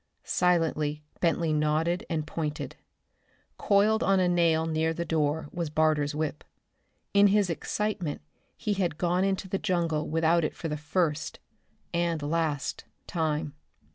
Silently Bentley nodded, and pointed. Coiled on a nail near the door was Barter's whip. In his excitement he had gone into the jungle without it for the first and last time.